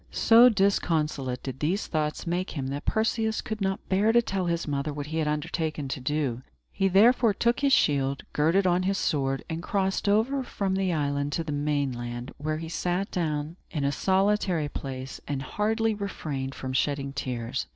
So disconsolate did these thoughts make him, that Perseus could not bear to tell his mother what he had undertaken to do. He therefore took his shield, girded on his sword, and crossed over from the island to the mainland, where he sat down in a solitary place, and hardly refrained from shedding tears.